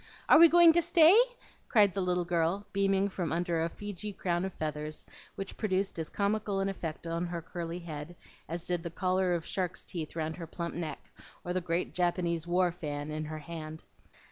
"Are we going to stay?" cried the little girl, beaming from under a Feejee crown of feathers, which produced as comical an effect upon her curly head as did the collar of shark's teeth round her plump neck or the great Japanese war fan in her hand.